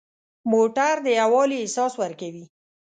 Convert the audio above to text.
موټر د یووالي احساس ورکوي.